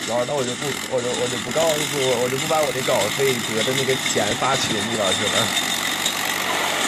苯乙腈是一种有机化合物。